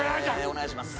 お願いします！